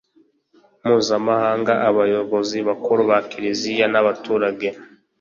mpuzamahanga abayobozi bakuru ba kiriziya n abaturage